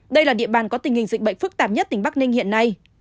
đây là địa bàn có tình hình dịch bệnh phức tạp nhất tỉnh bắc ninh hiện nay